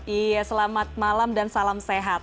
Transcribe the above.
iya selamat malam dan salam sehat